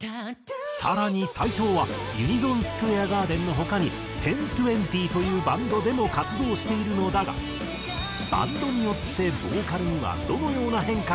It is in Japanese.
更に斎藤はＵＮＩＳＯＮＳＱＵＡＲＥＧＡＲＤＥＮの他にＸＩＩＸというバンドでも活動しているのだがバンドによってボーカルにはどのような変化があるのか？